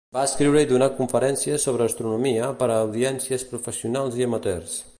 Va escriure i donar conferències sobre astronomia per a audiències professionals i amateurs.